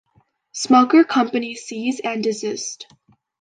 Smucker Company cease and desist.